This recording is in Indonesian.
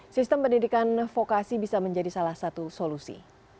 sistem pendidikan vokasi bisa menjadi salah satu solusi